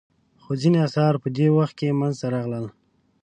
خو ځینې اثار په دې وخت کې منځته راغلل.